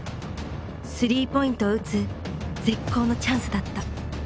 ３ポイントを打つ絶好のチャンスだった。